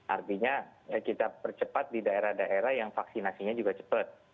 artinya kita percepat di daerah daerah yang vaksinasinya juga cepat